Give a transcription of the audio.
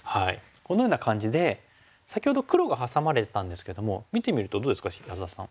このような感じで先ほど黒がハサまれてたんですけども見てみるとどうですか安田さん。